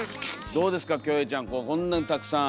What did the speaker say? どうですかキョエちゃん